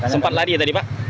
sempat lari tadi pak